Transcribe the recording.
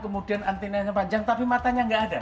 kemudian antinannya panjang tapi matanya nggak ada